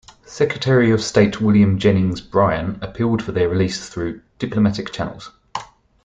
Secretary of State William Jennings Bryan appealed for their release through diplomatic channels.